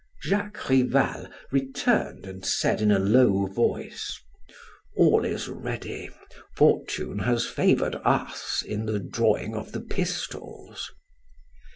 Jacques Rival returned and said in a low voice: "All is ready. Fortune has favored us in the drawing of the pistols."